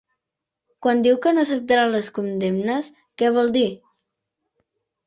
Quan diu que no acceptarà les condemnes, què vol dir?